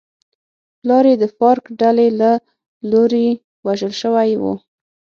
پلار یې د فارک ډلې له لوري وژل شوی و.